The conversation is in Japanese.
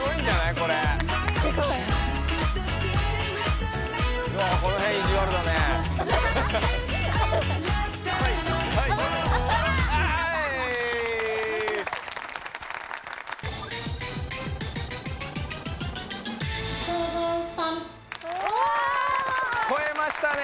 こえましたね！